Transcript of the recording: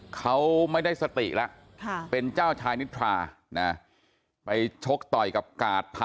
เขาไม่ได้สติแล้วเป็นเจ้าชายนิทรานะไปชกต่อยกับกาดพระ